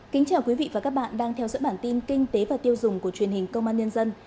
kính chào quý vị và các bạn đang theo dõi bản tin kinh tế và tiêu dùng của truyền hình công an nhân dân